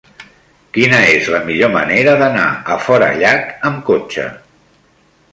Quina és la millor manera d'anar a Forallac amb cotxe?